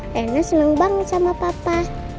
rena seneng banget sama papa